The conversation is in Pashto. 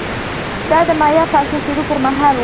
دا د مایا پاشل کېدو پرمهال و